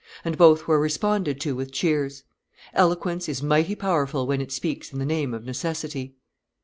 And both were responded to with cheers. Eloquence is mighty powerful when it speaks in the name of necessity.